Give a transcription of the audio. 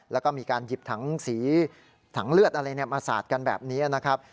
แล้วก็มีการหยิบถังสีถังเลือดอะไรมาสาดกันแบบนี้นะครับ